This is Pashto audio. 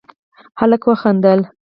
هلک وخندل: